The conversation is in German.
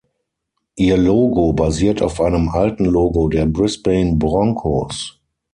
Ihr Logo basiert auf einem alten Logo der Brisbane Broncos.